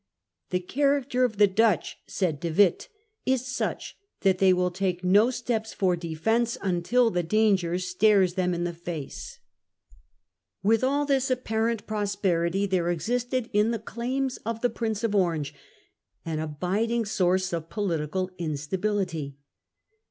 'The character of the Dutch,* said De Witt, ' is such that they will take no steps for defence until the danger stares them in the face. 200 The Dutch Republic before the War . 1672. With all this apparent prosperity there existed, in the claims of the Prince of Orange, fan abiding source of Political political instability.